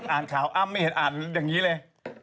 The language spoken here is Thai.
อ่านข่าวอ้ำไม่เห็นอ่านอย่างนี้เลย